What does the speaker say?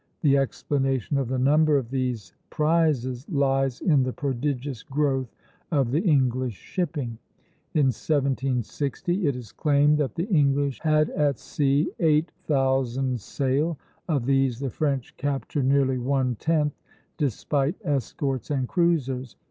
The explanation of the number of these prizes lies in the prodigious growth of the English shipping. In 1760 it is claimed that the English had at sea eight thousand sail; of these the French captured nearly one tenth, despite escorts and cruisers.